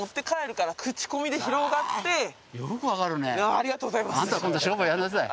ありがとうございます。